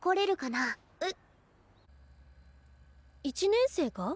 １年生が？